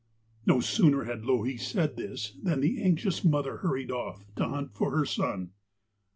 No sooner had Louhi said this than the anxious mother hurried off to hunt for her son.